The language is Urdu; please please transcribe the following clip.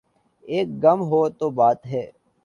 ایک غم ہو تو بات ہے۔